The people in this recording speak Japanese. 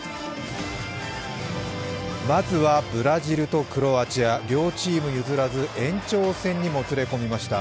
まずはブラジルとクロアチア、両チーム譲らず延長戦にもつれ込みました。